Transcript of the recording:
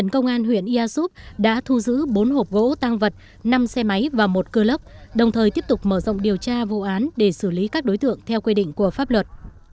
công an huyện ia súp đã thu giữ bốn hộp gỗ tăng vật năm xe máy và một cơ lốc đồng thời tiếp tục mở rộng điều tra vụ án để xử lý các đối tượng theo quy định của pháp luật